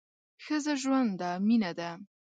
ښځه ژوند ده ، مینه ده